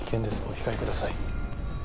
お控えください。